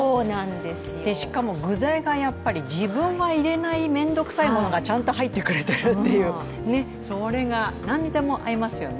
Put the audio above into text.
で、しかも具材がやっぱり自分は入れない面倒くさいものはちゃんと入ってくれてるという、それが何にでも合いますよね。